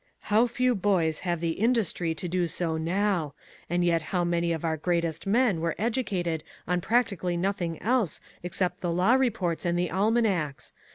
How few boys have the industry to do so now, and yet how many of our greatest men were educated on practically nothing else except the law reports and the almanacs.